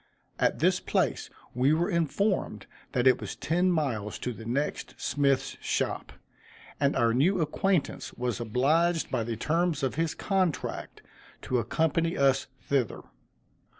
At this place we were informed that it was ten miles to the next smith's shop, and our new acquaintance was obliged by the terms of his contract, to accompany us thither.